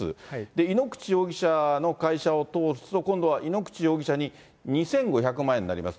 井ノ口容疑者の会社を通すと、今度は井ノ口容疑者に２５００万円になります。